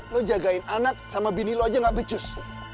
lo jagain anak sama bini lo aja gak becus